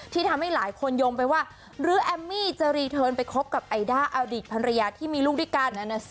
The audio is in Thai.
ที่ทำให้หลายคนโยงไปว่าหรือแอมมี่จะรีเทิร์นไปคบกับไอด้าอดีตภรรยาที่มีลูกด้วยกัน